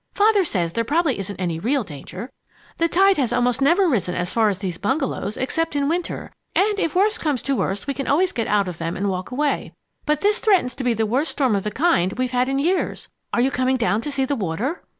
Father says there probably isn't any real danger. The tide has almost never risen as far as these bungalows, except in winter; and if the worst comes to the worst, we can always get out of them and walk away. But this threatens to be the worst storm of the kind we've had in years. Are you coming down to see the water?"